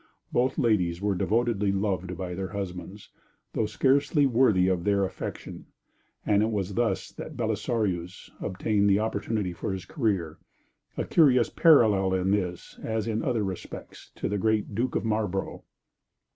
Both ladies were devotedly loved by their husbands, though scarcely worthy of their affection, and it was thus that Belisarius obtained the opportunity for his career, a curious parallel in this, as in other respects, to the great Duke of Marlborough.